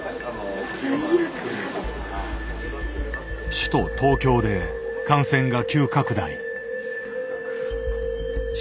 首都・東京で感染が急拡大。